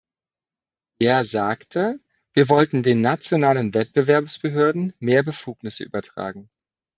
Er sagte, wir wollten den nationalen Wettbewerbsbehörden mehr Befugnisse übertragen.